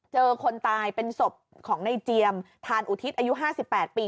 คนตายเป็นศพของในเจียมทานอุทิศอายุ๕๘ปี